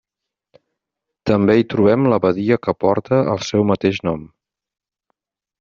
També hi trobem la badia que porta el seu mateix nom.